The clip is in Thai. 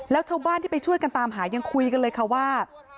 แล้วชาวบ้านที่ไปช่วยกันตามหายังคุยกันเลยค่ะว่า